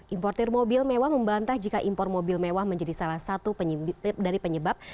importer mobil mewah membantah jika impor mobil mewah menjadi salah satu dari penyebab